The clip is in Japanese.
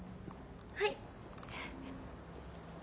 はい。